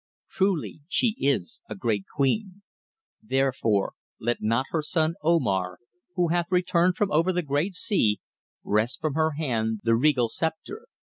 Truly she is a great queen; therefore let not her son Omar who hath returned from over the great sea, wrest from her hand the regal sceptre.